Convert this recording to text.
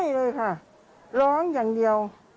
เลยค่ะร้องอย่างเดียว